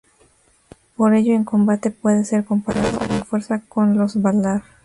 Por ello en combate puede ser comparado en fuerza con los Valar.